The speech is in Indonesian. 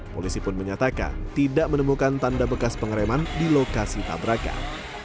polisi pun menyatakan tidak menemukan tanda bekas pengereman di lokasi tabrakan